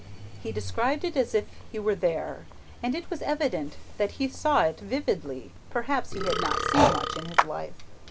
He described it as if he were there, and it was evident that he saw it vividly; perhaps he had not seen much in his life.